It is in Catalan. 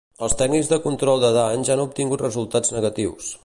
Els tècnics de control de danys han obtingut resultats negatius.